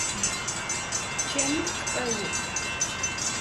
Чэмым шкӏэ иӏ.